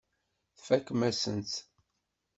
Tfakem-asent-tt.